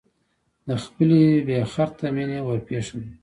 د خپلې بې خرته مینې ورپېښه ده.